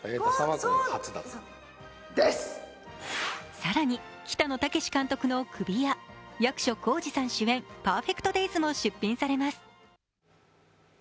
更に北野武監督の「首」や役所広司さん主演「ＰｅｒｆｅｃｔＤａｙｓ」も出品されます。